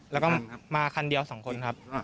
มันมาคันเดียว๒คน